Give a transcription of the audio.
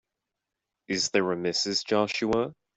Is there a Mrs. Joshua?